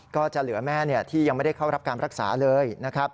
ก็จะเหลือแม่ที่ยังไม่ได้เข้ารับการรักษาเลยนะครับ